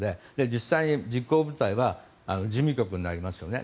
実際に、実行部隊は事務局になりますよね